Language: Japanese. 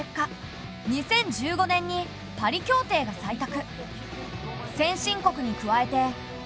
２０１５年にパリ協定が採択。